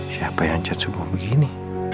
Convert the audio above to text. siapa yang cat subuh begini